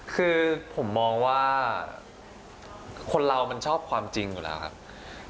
คือผมมองว่าคนเรามันชอบความจริงอยู่แล้วครับ